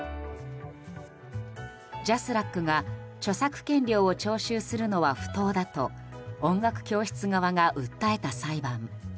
ＪＡＳＲＡＣが著作権料を徴収するのは不当だと音楽教室側が訴えた裁判。